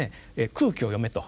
「空気を読め」と。